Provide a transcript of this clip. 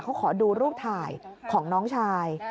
เขาขอดูรูปถ่ายของน้องชาย